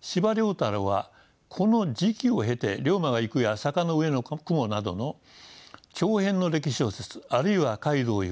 司馬太郎はこの時期を経て「竜馬がゆく」や「坂の上の雲」などの長編の歴史小説あるいは「街道をゆく」